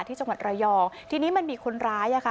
ที่จังหวัดระยองทีนี้มันมีคนร้ายอ่ะค่ะ